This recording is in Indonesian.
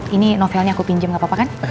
ini novelnya aku pinjem gapapa kan